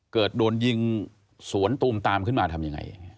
เกิดโดนยิงสวนตูมตามขึ้นมาทำยังไง